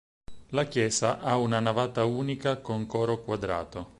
La chiesa ha una navata unica con coro quadrato.